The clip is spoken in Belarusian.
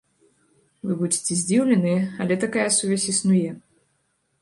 Вы будзеце здзіўленыя, але такая сувязь існуе.